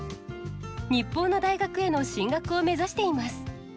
日本の大学への進学を目指しています。